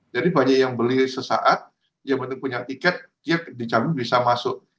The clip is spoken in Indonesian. jadi banyak yang beli sesaat yang penting punya tiket dia dicampur bisa masuk